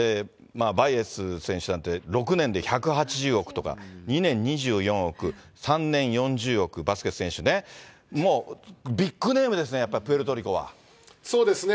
バイエズ選手なんて６年で１８０億とか２年２４億、３年４０億、バスケス選手ね、もうビッグネームですね、やっぱり、プエルトリそうですね。